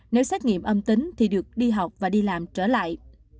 nếu xét nghiệm âm tính thì được đi học và đi làm trở lại